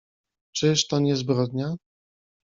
"Czyż to nie zbrodnia?"